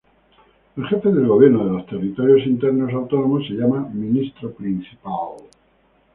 El jefe del gobierno de los territorios internos autónomos se llama Ministro Principal.